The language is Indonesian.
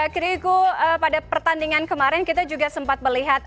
keriku pada pertandingan kemarin kita juga sempat melihat